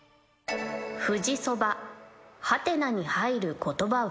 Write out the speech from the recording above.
富士そば「？」に入る言葉は？